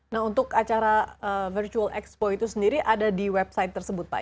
nah untuk acara virtual expo itu sendiri ada di website tersebut pak